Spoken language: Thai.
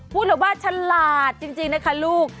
พูดเลยว่าฉลาดจริงนะคะลูก